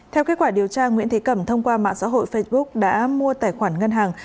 theo kết quả điều tra nguyễn thế cẩm thông qua mạng xã hội facebook đã mua tài khoản ngân hàng